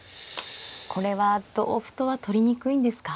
これは同歩とは取りにくいんですか。